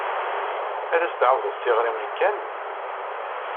Ad as-d-ɛawdeɣ tiɣri i Ken?